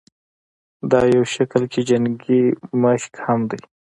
دا يو شکل کښې جنګي مشق هم دے